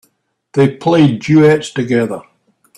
They play duets together.